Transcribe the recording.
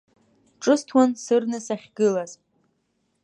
Ҿысҭуан сырны сахьгылаз.